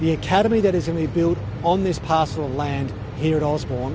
akademi yang akan dibuat di pasaran ini di osborne